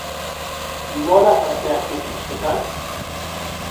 Nola parte hartu zozketan?